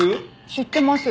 知ってます